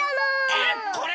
えっこれ？